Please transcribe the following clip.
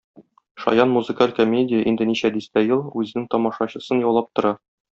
Шаян музакаль комедия инде ничә дистә ел үзенең тамашачысын яулап тора.